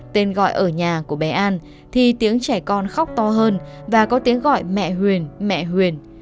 tên gọi ở nhà của bé an thì tiếng trẻ con khóc to hơn và có tiếng gọi mẹ huyền mẹ huyền